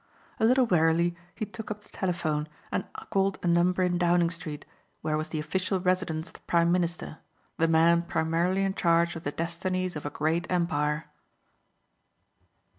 A little wearily he took up the telephone and called a number in Downing Street where was the official residence of the prime minister, the man primarily in charge of the destinies of a great empire.